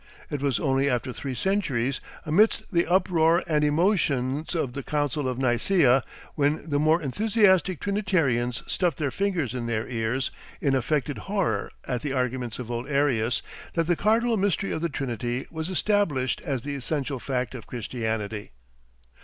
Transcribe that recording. It was only after three centuries, amidst the uproar and emotions of the council of Nicaea, when the more enthusiastic Trinitarians stuffed their fingers in their ears in affected horror at the arguments of old Arius, that the cardinal mystery of the Trinity was established as the essential fact of Christianity.